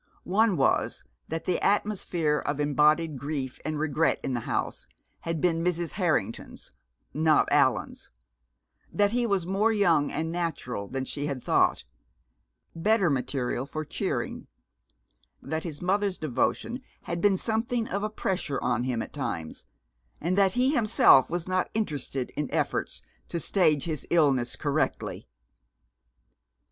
One was that the atmosphere of embodied grief and regret in the house had been Mrs. Harrington's, not Allan's that he was more young and natural than she had thought, better material for cheering; that his mother's devotion had been something of a pressure on him at times; and that he himself was not interested in efforts to stage his illness correctly.